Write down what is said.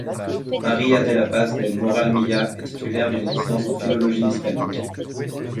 María de la Paz Del Moral Milla est titulaire d'une licence en philologie hispanique.